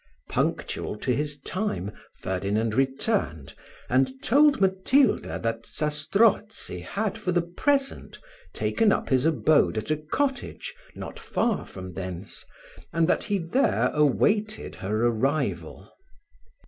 Punctual to his time Ferdinand returned, and told Matilda that Zastrozzi had, for the present, taken up his abode at a cottage, not far from thence, and that he there awaited her arrival.